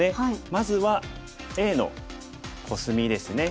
まずはＡのコスミですね。